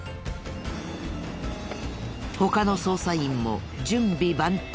他の捜査員も準備万端。